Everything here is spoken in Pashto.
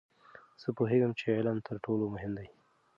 زه پوهیږم چې علم تر ټولو مهم دی.